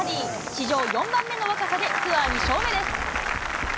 史上４番目の若さでツアー２勝目です。